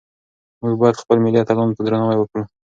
موږ باید خپل ملي اتلانو ته درناوی وکړو.